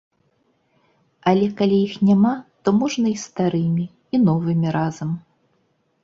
Але калі іх няма, то можна і старымі, і новымі разам.